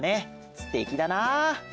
すてきだな。